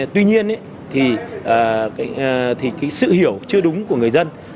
tuy nhiên thì cái sự hiểu chưa đúng của người dân